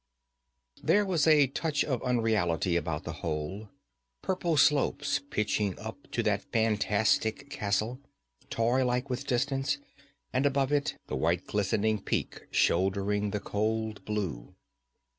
There was a touch of unreality about the whole purple slopes pitching up to that fantastic castle, toy like with distance, and above it the white glistening peak shouldering the cold blue.